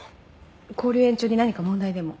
勾留延長に何か問題でも？